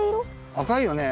赤いよね。